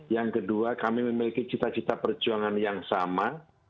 yang kedua kami memiliki cita cita perjuangan yang sama